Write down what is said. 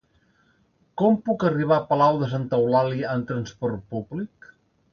Com puc arribar a Palau de Santa Eulàlia amb trasport públic?